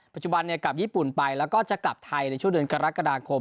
ปัจจุบันกลับญี่ปุ่นไปแล้วก็จะกลับไทยในช่วงเดือนกรกฎาคม